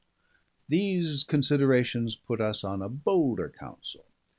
These considerations put us on a bolder counsel.